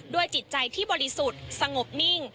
จิตใจที่บริสุทธิ์สงบนิ่ง